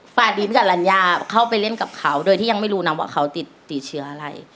อดีตพี่กับรัญญาเข้าไปเล่นกับเขาโดยที่ยังไม่รู้นะว่าเขาติดเชื้ออะไร